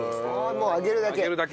もう揚げるだけ？